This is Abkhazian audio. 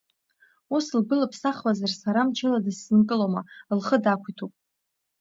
Ус лгәы лзыԥсахуазар, сара мчыла дысзынкылома, лхы дақәиҭуп.